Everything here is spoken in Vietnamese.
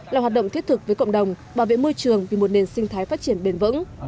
là hoạt động thiết thực với cộng đồng bảo vệ môi trường vì một nền sinh thái phát triển bền vững